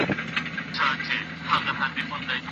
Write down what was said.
سم نیت ناکامي نه زیاتوي.